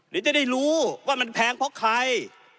เดี๋ยวจะได้รู้ว่ามันแพงเพราะใคร